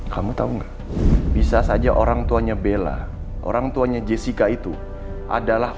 kamu tahu nggak bisa saja orangtuanya bella orangtuanya jessica itu adalah